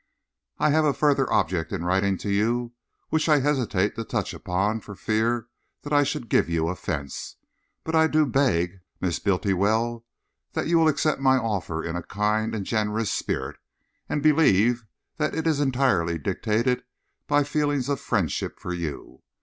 I have a further object in writing to you, which I hesitate to touch upon for fear I should give you offence, but I do beg, Miss Bultiwell, that you will accept my offer in a kind and generous spirit, and believe that it is entirely dictated by feelings of friendship for you.